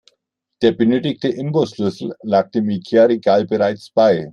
Der benötigte Imbusschlüssel lag dem Ikea-Regal bereits bei.